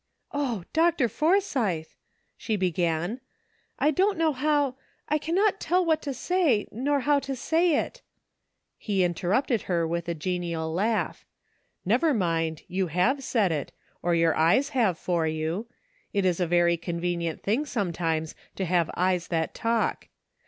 ''O, Dr. Forsythe !" she began, "I don't know how — I cannot tell what to say, nor how to say it "— He interrupted her with a genial laugh. " Never mind, you have said it, or your eyes have for you; it is a very con venient thing sometimes to have eyes that talk.